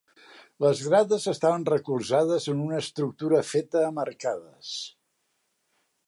Les grades estaven recolzades en una estructura feta amb arcades.